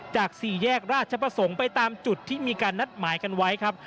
สี่แยกราชประสงค์ไปตามจุดที่มีการนัดหมายกันไว้ครับ